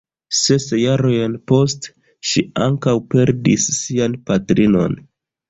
Ses jarojn poste, ŝi ankaŭ perdis sian patrinon.